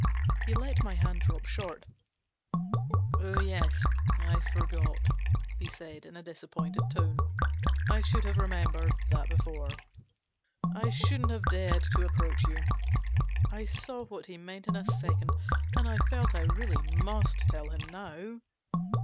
He let my hand drop short. " Oh yes, I forgot," he said, in a disappointed tone ;" I should have remembered that before ; I shouldn't have dared to approach you." I saw what he meant in a second, and I felt I really must tell him now.